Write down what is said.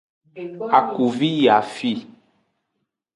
Akuvi yi afi.